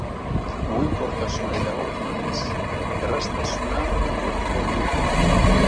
Mugikortasunari dagokionez erraztasuna bilatu dugu.